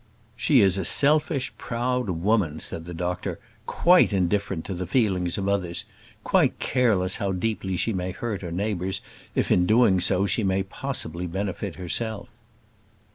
"She is a selfish, proud woman," said the doctor; "quite indifferent to the feelings of others; quite careless how deeply she may hurt her neighbours, if, in doing so, she may possibly benefit herself."